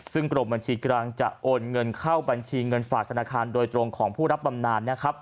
ซึ่งกรมบัญชีกลางจะโอนเงินเข้าบัญชีเงินฝากธนาคารโดยตรงของผู้รับบำนานนะครับ